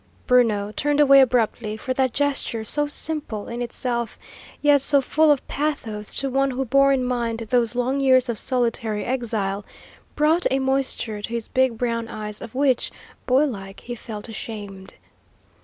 Bruno turned away abruptly, for that gesture, so simple in itself, yet so full of pathos to one who bore in mind those long years of solitary exile, brought a moisture to his big brown eyes of which, boy like, he felt ashamed.